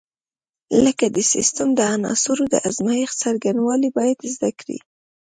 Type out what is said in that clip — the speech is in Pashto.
لکه د سیسټم د عناصرو د ازمېښت څرنګوالي باید زده کړي.